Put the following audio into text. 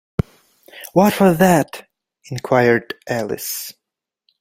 ‘What was that?’ inquired Alice.